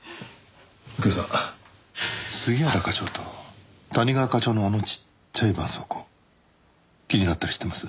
右京さん杉原課長と谷川課長のあのちっちゃい絆創膏気になったりしてます？